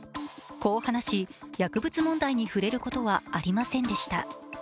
こう話し、薬物問題に触れることはありませんでした。